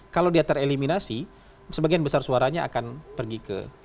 kalau dia tereliminasi sebagian besar suaranya akan pergi ke